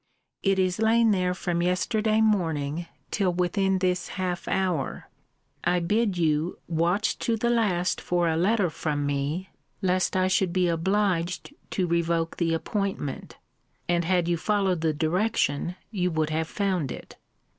It is lain there from yesterday morning, till within this half hour. I bid you watch to the last for a letter from me, lest I should be obliged to revoke the appointment; and, had you followed the direction, you would have found it.